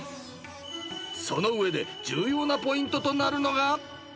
［その上で重要なポイントとなるのが］